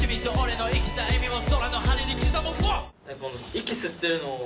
息吸ってるのを。